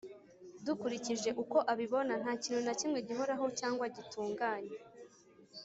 dukurikije uko abibona, nta kintu na kimwe gihoraho cyangwa gitunganye,